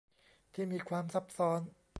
ที่มีความซับซ้อน